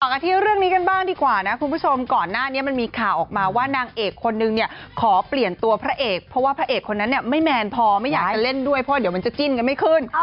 กันที่เรื่องนี้กันบ้างดีกว่านะคุณผู้ชมก่อนหน้านี้มันมีข่าวออกมาว่านางเอกคนนึงเนี่ยขอเปลี่ยนตัวพระเอกเพราะว่าพระเอกคนนั้นเนี่ยไม่แมนพอไม่อยากจะเล่นด้วยเพราะเดี๋ยวมันจะจิ้นกันไม่ขึ้น